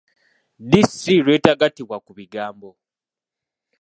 Ddi ‘si’ lw’etagattibwa ku bigambo?